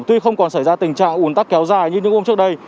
tuy không còn xảy ra tình trạng ủn tắc kéo dài như những hôm trước đây